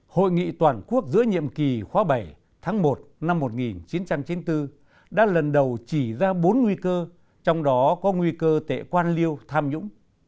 hội nghị toàn quốc giữa nhiệm kỳ khóa bảy tháng một năm một nghìn chín trăm chín mươi bốn đã lần đầu chỉ ra bốn nguy cơ trong đó có nguy cơ tệ quan liêu tham nhũng